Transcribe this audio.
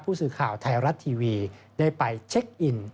ผู้สื่อข่าวไทยรัฐทีวีได้ไปเช็คอิน